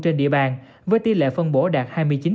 trên địa bàn với tỷ lệ phân bổ đạt hai mươi chín